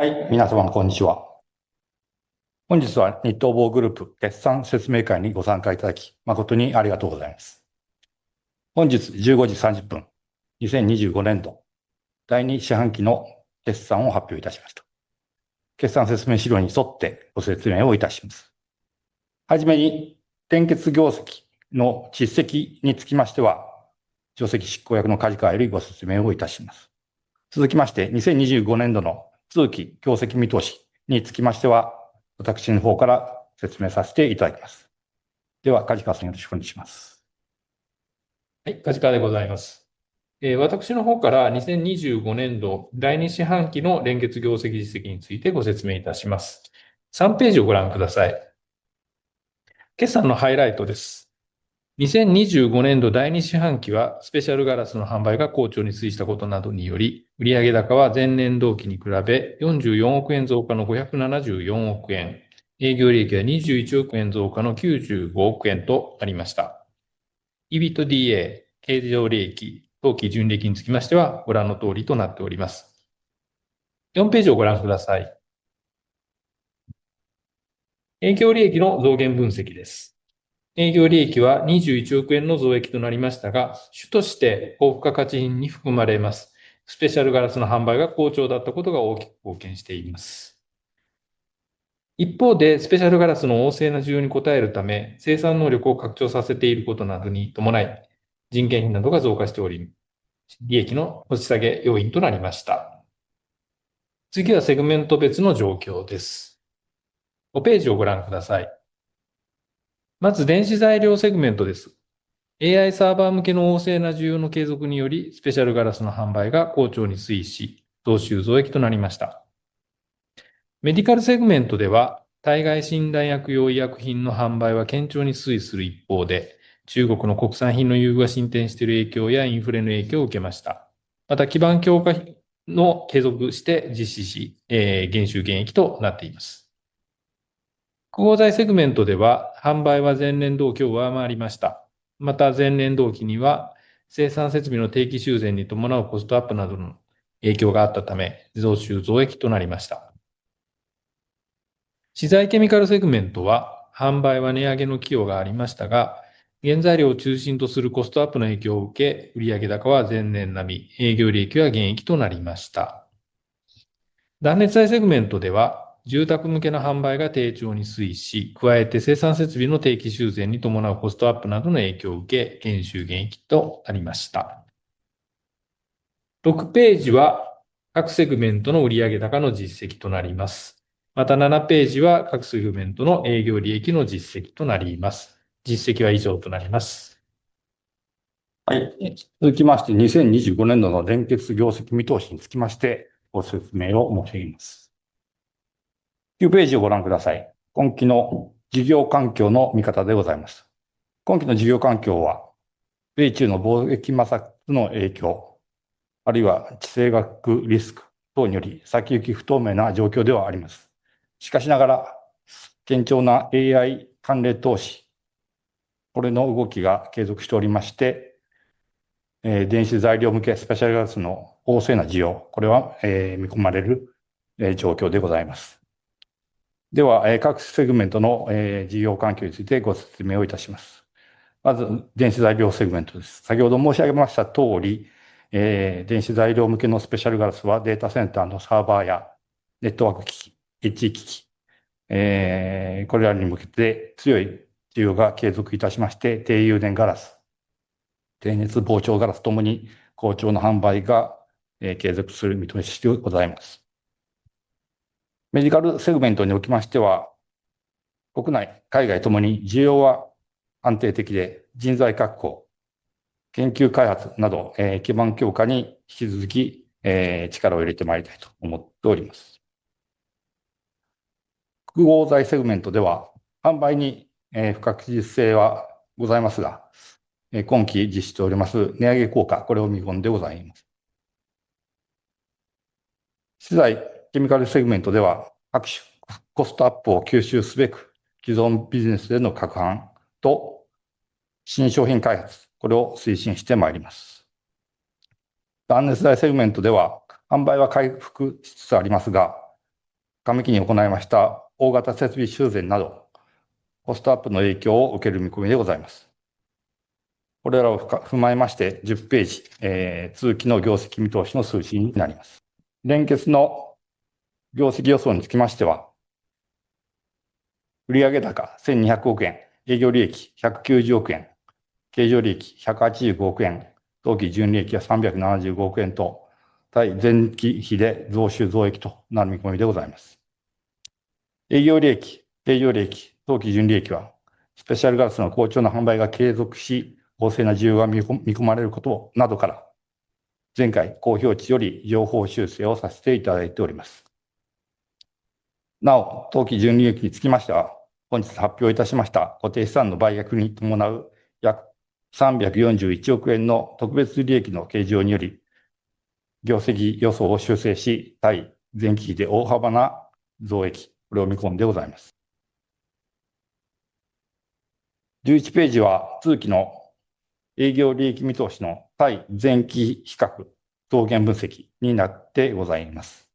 はい、皆様こんにちは。本日はニットボーグループ決算説明会にご参加いただき、誠にありがとうございます。本日15時30 分、2025年度第2四半期の決算を発表いたしました。決算説明資料に沿ってご説明をいたします。初めに、連結業績の実績につきましては、上席執行役の梶川よりご説明をいたします。続きまして、2025年度の通期業績見通しにつきましては、私の方から説明させていただきます。では、梶川さん、よろしくお願いします。はい、梶川でございます。私の方から2025年度第2四半期の連結業績実績についてご説明いたします。3ページをご覧ください。決算のハイライトです。2025年度第2四半期はスペシャルガラスの販売が好調に推移したことなどにより、売上高は前年同期に比べ ¥44 億円増加の ¥574 億円、営業利益は ¥21 億円増加の ¥95 億円となりました。EBITDA、経常利益、当期純利益につきましては、ご覧のとおりとなっております。4ページをご覧ください。営業利益の増減分析です。営業利益は ¥21 億円の増益となりましたが、主として高付加価値品に含まれますスペシャルガラスの販売が好調だったことが大きく貢献しています。一方で、スペシャルガラスの旺盛な需要に応えるため、生産能力を拡張させていることなどに伴い、人件費などが増加しており、利益の押し下げ要因となりました。次はセグメント別の状況です。5ページをご覧ください。まず、電子材料セグメントです。AI サーバー向けの旺盛な需要の継続により、スペシャルガラスの販売が好調に推移し、増収増益となりました。メディカルセグメントでは、体外診断薬用医薬品の販売は堅調に推移する一方で、中国の国産品の優遇が進展している影響やインフレの影響を受けました。また、基盤強化を継続して実施し、減収減益となっています。複合材セグメントでは、販売は前年同期を上回りました。また、前年同期には生産設備の定期修繕に伴うコストアップなどの影響があったため、増収増益となりました。資材ケミカルセグメントは、販売は値上げの寄与がありましたが、原材料を中心とするコストアップの影響を受け、売上高は前年並み、営業利益は減益となりました。断熱材セグメントでは、住宅向けの販売が低調に推移し、加えて生産設備の定期修繕に伴うコストアップなどの影響を受け、減収減益となりました。6ページは各セグメントの売上高の実績となります。また、7ページは各セグメントの営業利益の実績となります。実績は以上となります。はい、続きまして、2025年度の連結業績見通しにつきまして、ご説明を申し上げます。9ページをご覧ください。今期の事業環境の見方でございます。今期の事業環境は、米中の貿易摩擦の影響、あるいは地政学リスク等により、先行き不透明な状況ではあります。しかしながら、堅調な AI 関連投資、これの動きが継続しておりまして、電子材料向けスペシャルガラスの旺盛な需要、これは見込まれる状況でございます。では、各セグメントの事業環境についてご説明をいたします。まず、電子材料セグメントです。先ほど申し上げましたとおり、電子材料向けのスペシャルガラスは、データセンターのサーバーやネットワーク機器、エッジ機器、これらに向けて強い需要が継続いたしまして、低融点ガラス、低熱膨張ガラスともに好調な販売が継続する見通しでございます。メディカルセグメントにおきましては、国内、海外ともに需要は安定的で、人材確保、研究開発など、基盤強化に引き続き力を入れてまいりたいと思っております。複合材セグメントでは、販売に不確実性はございますが、今期実施しております値上げ効果、これを見込んでございます。資材ケミカルセグメントでは、各種コストアップを吸収すべく、既存ビジネスへの拡販と新商品開発、これを推進してまいります。断熱材セグメントでは、販売は回復しつつありますが、上期に行いました大型設備修繕などコストアップの影響を受ける見込みでございます。これらを踏まえまして、10ページ、通期の業績見通しの推進になります。連結の業績予想につきましては、売上高 ¥1,200 億、営業利益 ¥190 億、経常利益 ¥185 億、当期純利益は ¥375 億と、対前期比で増収増益となる見込みでございます。営業利益、経常利益、当期純利益は、スペシャルガラスの好調な販売が継続し、旺盛な需要が見込まれることなどから、前回公表値より上方修正をさせていただいております。なお、当期純利益につきましては、本日発表いたしました固定資産の売却に伴う約 ¥341 億の特別利益の計上により、業績予想を修正し、対前期比で大幅な増益、これを見込んでございます。11ページは通期の営業利益見通しの対前期比較、増減分析になってございます。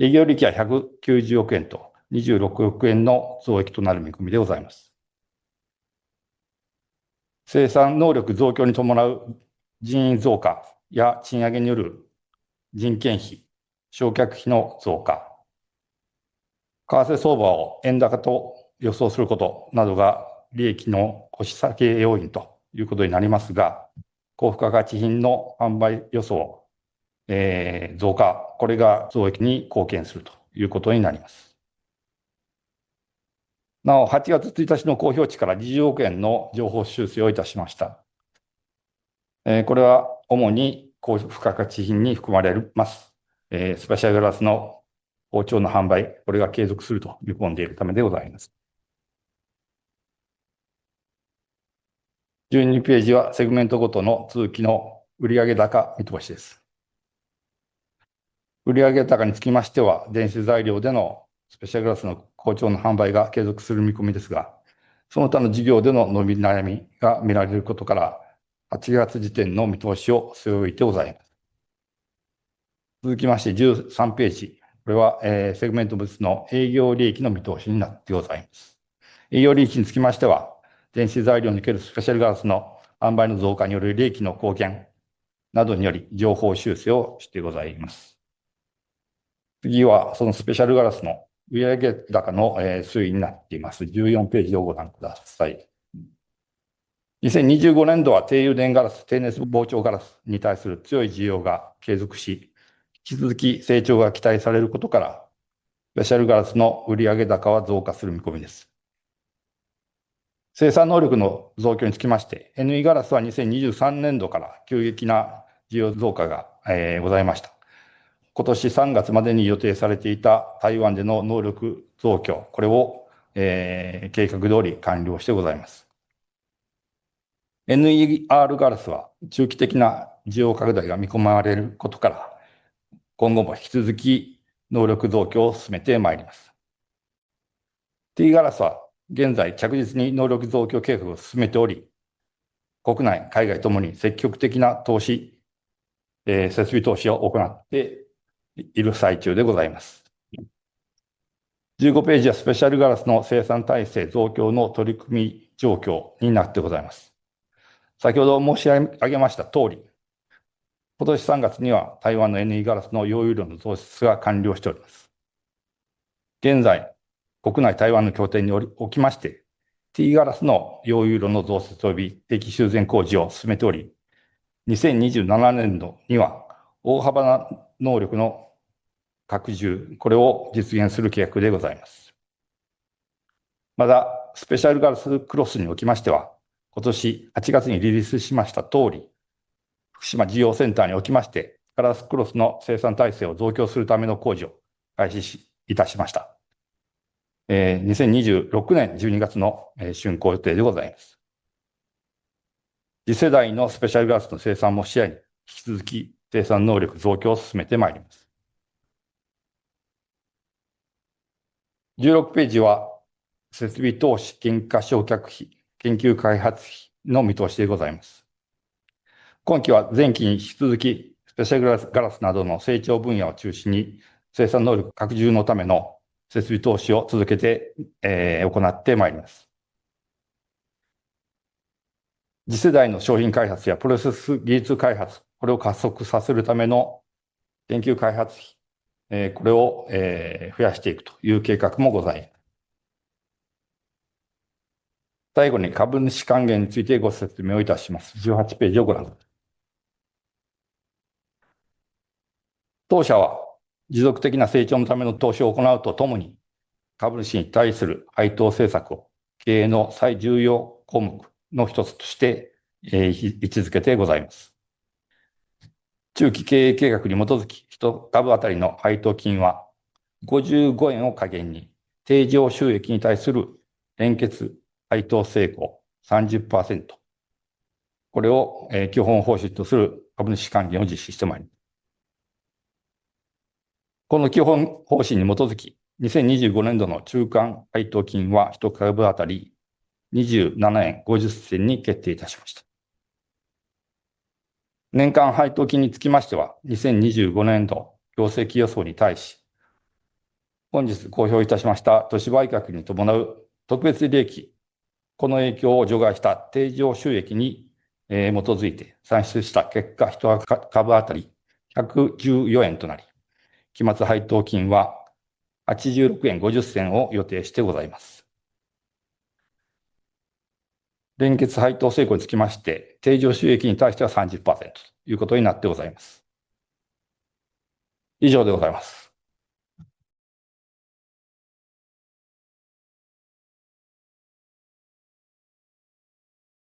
営業利益は ¥190 億と ¥26 億の増益となる見込みでございます。生産能力増強に伴う人員増加や賃上げによる人件費、償却費の増加、為替相場を円高と予想することなどが利益の押し下げ要因ということになりますが、高付加価値品の販売増加、これが増益に貢献するということになります。なお、8月1日の公表値から ¥20 億の上方修正をいたしました。これは主に高付加価値品に含まれます。スペシャルガラスの好調な販売、これが継続すると見込んでいるためでございます。12ページはセグメントごとの通期の売上高見通しです。売上高につきましては、電子材料でのスペシャルガラスの好調な販売が継続する見込みですが、その他の事業での伸び悩みが見られることから、8月時点の見通しを据え置いてございます。続きまして13ページ、これは、セグメント別の営業利益の見通しになってございます。営業利益につきましては、電子材料におけるスペシャルガラスの販売の増加による利益の貢献などにより上方修正をしてございます。次は、そのスペシャルガラスの売上高の推移になっています。14ページをご覧ください。2025年度は低融点ガラス、低熱膨張ガラスに対する強い需要が継続し、引き続き成長が期待されることから、スペシャルガラスの売上高は増加する見込みです。生産能力の増強につきまして、NE ガラスは2023年度から急激な需要増加がございました。今年3月までに予定されていた台湾での能力増強、これを計画どおり完了してございます。NER ガラスは中期的な需要拡大が見込まれることから、今後も引き続き能力増強を進めてまいります。T ガラスは現在、着実に能力増強計画を進めており、国内、海外ともに積極的な投資、設備投資を行っている最中でございます。15ページはスペシャルガラスの生産体制増強の取り組み状況になってございます。先ほど申し上げましたとおり、今年3月には台湾の NE ガラスの溶解炉の増設が完了しております。現在、国内台湾の拠点におきまして、T ガラスの溶解炉の増設及び定期修繕工事を進めており、2027年度には大幅な能力の拡充、これを実現する計画でございます。また、スペシャルガラスクロスにおきましては、今年8月にリリースしましたとおり、福島事業センターにおきまして、ガラスクロスの生産体制を増強するための工事を開始いたしました。2026年12月の竣工予定でございます。次世代のスペシャルガラスの生産も視野に、引き続き生産能力増強を進めてまいります。16ページは設備投資、減価償却費、研究開発費の見通しでございます。今期は前期に引き続き、スペシャルガラスなどの成長分野を中心に、生産能力拡充のための設備投資を続けて行ってまいります。次世代の商品開発やプロセス技術開発、これを加速させるための研究開発費、これを増やしていくという計画もございます。最後に株主還元についてご説明をいたします。18ページをご覧ください。当社は持続的な成長のための投資を行うとともに、株主に対する配当政策を経営の最重要項目の1つとして位置づけてございます。中期経営計画に基づき、1株あたりの配当金は ¥55 を下限に、定常収益に対する連結配当性向 30%、これを基本方針とする株主還元を実施してまいります。この基本方針に基づき、2025年度の中間配当金は1株あたり ¥27.50 に決定いたしました。年間配当金につきましては、2025年度業績予想に対し、本日公表いたしました土地売却に伴う特別利益、この影響を除外した定常収益に基づいて算出した結果、1株あたり ¥114 となり、期末配当金は ¥86.50 を予定してございます。連結配当性向につきまして、定常収益に対しては 30% ということになってございます。以上でございます。